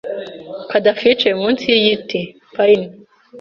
Khadafi yicaye munsi yigiti. (pne)